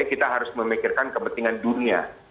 kita harus memikirkan kepentingan dunia